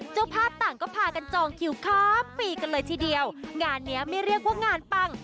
เจ้าภาพต่างก็พากันจองคิวข้ามปีกันเลยทีเดียวงานเนี้ยไม่เรียกว่างานปัง